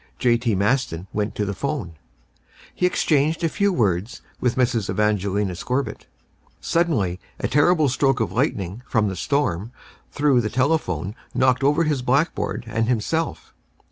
J.T. Maston went to the phone. He exchanged a few words with Mrs. Evangelina Scorbitt. Suddenly a terrible stroke of lightning from the storm through the telephone knocked over his blackboard and himself.